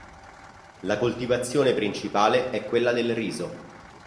La coltivazione principale è quella del riso.